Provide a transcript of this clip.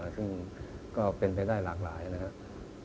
ซึ่งก็เป็นไปได้หลากหลายนะครับ